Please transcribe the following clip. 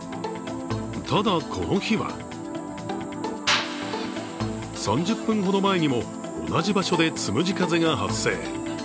ただ、この日は３０分ほど前にも同じ場所でつむじ風が発生。